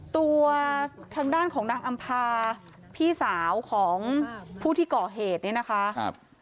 ตัวทางด้านของนักอัมภาพี่สาวของผู้ที่เกาะเหตุนี้นะคะครับ